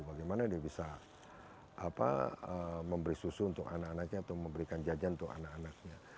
bagaimana dia bisa memberi susu untuk anak anaknya atau memberikan jajan untuk anak anaknya